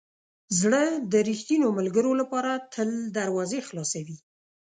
زړه د ریښتینو ملګرو لپاره تل دروازې خلاصوي.